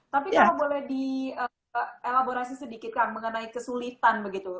tapi kalau boleh dielaborasi sedikit kang mengenai kesulitan begitu